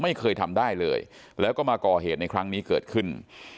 ไม่เคยทำได้เลยแล้วก็มาก่อเหตุในครั้งนี้เกิดขึ้น